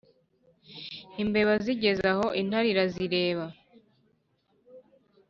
imbeba zigeze aho, intare irazireba